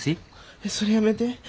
えっそれやめて。